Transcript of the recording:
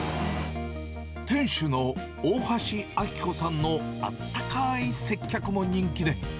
店主の大橋明子さんのあったかーい接客も人気で。